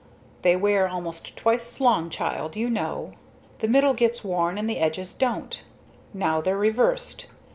"They wear almost twice as long, child, you know. The middle gets worn and the edges don't. Now they're reversed.